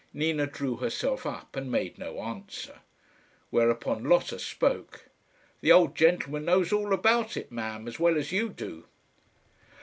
Nina drew herself up and made no answer; whereupon Lotta spoke. "The old gentleman knows all about it, ma'am, as well as you do."